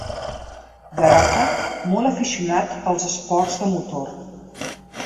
Garota, molt aficionat als esports de motor.